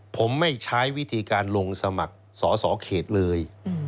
ผมไม่ใช้วิธีการลงสมัครสอสอเขตเลย